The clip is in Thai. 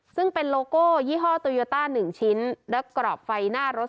ซึ่งเป็นโลโก้ยี่ห้อตูยอตาหนึ่งชิ้นแล้วกรอบไฟหน้ารถ